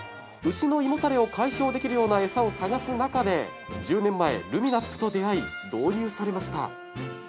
牛の胃もたれを解消できるような餌を探す中で１０年前ルミナップと出合い導入されました。